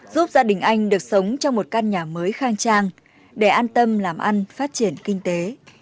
giúp gia đình anh được sống trong một căn nhà mới khang trang để an tâm làm ăn phát triển kinh tế